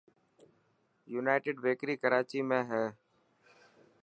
يونائٽڊ بيڪري ڪراچي ۾ هي.